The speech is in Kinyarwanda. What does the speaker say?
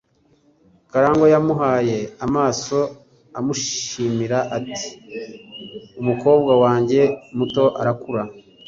Karangwa yamuhaye amaso amushimira ati: "Umukobwa wanjye muto arakura."